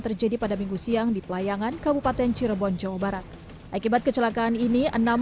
terjadi pada minggu siang di pelayangan kabupaten cirebon jawa barat akibat kecelakaan ini enam